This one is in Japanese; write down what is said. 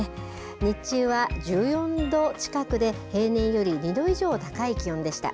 日中は１４度近くで、平年より２度以上高い気温でした。